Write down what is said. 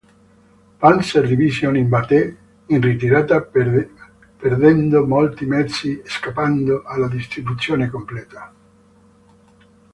Panzer-Division si batté in ritirata perdendo molti mezzi scampando alla distruzione completa.